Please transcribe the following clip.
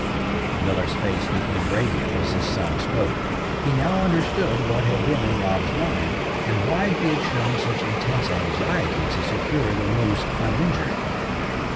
The miller's face became radiant as his son spoke. He now understood what had been in Rob's mind, and why he had shown such intense anxiety to secure the moose uninjured.